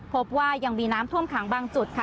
พบว่ายังมีน้ำท่วมขังบางจุดค่ะ